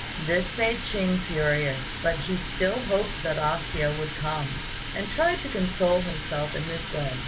This made Ching furious, but he still hoped that A hsia would come, and tried to console himself in this way.